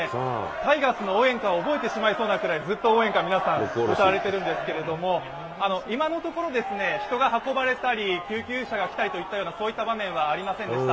タイガースの応援歌を覚えてしまいそうなくらい、ずっと皆さん応援歌、歌われてるんですが今のところ人が運ばれたり救急車が来たりといったような、そのような場面はありませんでした。